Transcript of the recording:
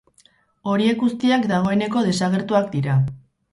Horiek guztiak dagoeneko desagertuak dira.